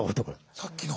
さっきの？